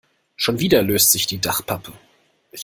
Schon wieder löst sich die Dachpappe.